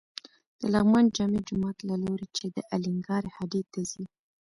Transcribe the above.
د لغمان جامع جومات له لوري چې الینګار هډې ته ځې.